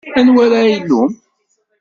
Anwa ara ilumm?